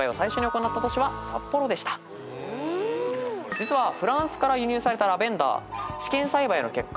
実はフランスから輸入されたラベンダー試験栽培の結果